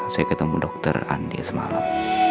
saya ketemu dokter andi semalam